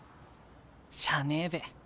しゃあねえべ。